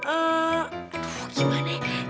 aduh gimana ya